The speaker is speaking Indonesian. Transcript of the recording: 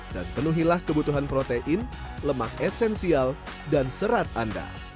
dan penuhilah kebutuhan protein lemak esensial dan serat anda